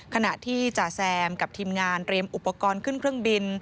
ขณะที่จ่าแซมกับทีมงานเตรียมอุปกรณ์ขึ้นเครื่องบิน